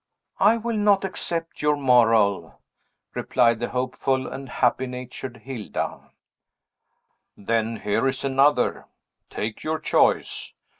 "I will not accept your moral!" replied the hopeful and happy natured Hilda. "Then here is another; take your choice!"